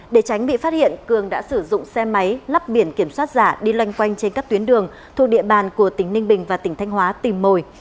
để tránh bị phát hiện cường đã sử dụng xe máy lắp biển kiểm soát giả đi lanh quanh trên các tuyến đường thuộc địa bàn của tỉnh ninh bình và tỉnh thanh hóa tìm mồi